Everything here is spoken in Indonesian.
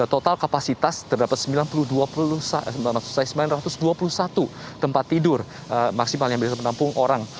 total kapasitas terdapat sembilan puluh dua puluh satu tempat tidur maksimal yang bisa menampung orang